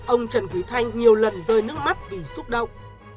ông trần quý thanh nhiều lần rơi nước mắt vì xúc động